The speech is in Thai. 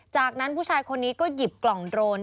จากนั้นผู้ชายคนนี้ก็หยิบกล่องโดรน